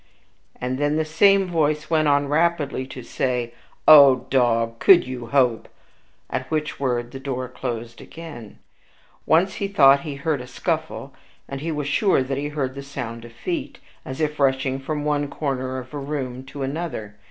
And then the same voice went on rapidly to say, "O dog! could you hope" at which word the door closed again. Once he thought that he heard a scuffle, and he was sure that he heard the sound of feet, as if rushing from one corner of a room to another.